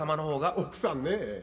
奥さんね。